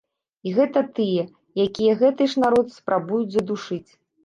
І гэта тыя, якія гэты ж народ спрабуюць задушыць.